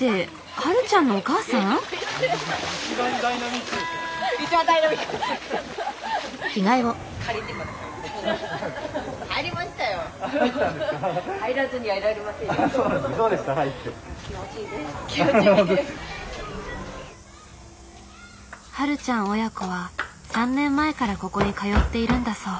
はるちゃん親子は３年前からここに通っているんだそう。